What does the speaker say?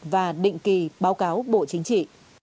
và định kỳ báo cáo bộ chính trị